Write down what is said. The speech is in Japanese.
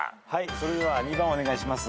それでは２番お願いします。